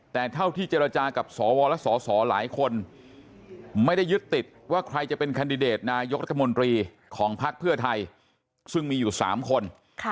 แต่เท่าที่เจรจากับสวและสสหลายคนไม่ได้ยึดติดว่าใครจะเป็นแคนดิเดตนายกรัฐมนตรีของภักดิ์เพื่อไทยซึ่งมีอยู่๓คน